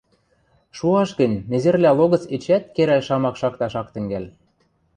Шуаш гӹнь, незервлӓ логӹц эчеӓт керӓл шамак шакташ ак тӹнгӓл